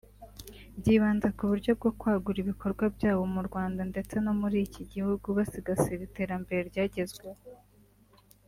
byibanze ku buryo bwo kwagura ibikorwa byabo mu Rwanda ndetse no muri iki gihugu basigasira iterambere ryagezweho